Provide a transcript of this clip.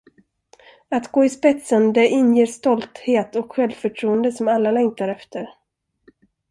Att gå i spetsen det inger stolthet och självförtroende som alla längtar efter.